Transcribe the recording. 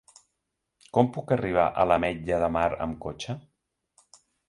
Com puc arribar a l'Ametlla de Mar amb cotxe?